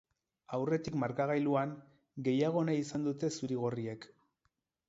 Aurretik markagailuan, gehiago nahi izan dute zurigorriek.